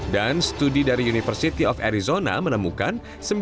dan studi dari university of arizona menemukan